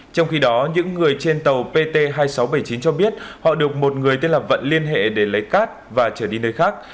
trong khi đó những người trên tàu pt hai nghìn sáu trăm bảy mươi chín cho biết họ được một người tên là vận liên hệ để lấy cát và trở đi nơi khác